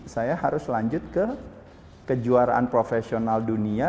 saya harus lanjut ke kejuaraan profesional dunia